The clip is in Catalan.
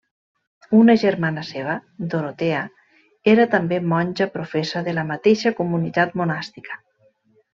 Una germana seva, Dorotea, era també monja professa de la mateixa comunitat monàstica.